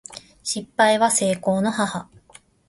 失敗は成功の母